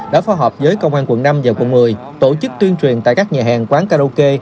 đã phối hợp với công an quận năm và quận một mươi tổ chức tuyên truyền tại các nhà hàng quán karaoke